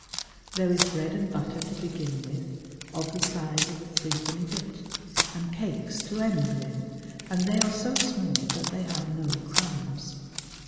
There is bread and butter to begin with, of the size of a threepenny bit; and cakes to end with, and they are so small that they have no crumbs.